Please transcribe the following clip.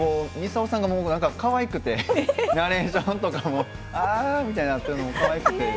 操さんが、かわいくてナレーションとかも「あ！」みたいになってるのがかわいくて。